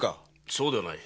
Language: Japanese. そうではない。